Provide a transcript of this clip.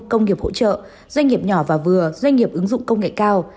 công nghiệp hỗ trợ doanh nghiệp nhỏ và vừa doanh nghiệp ứng dụng công nghệ cao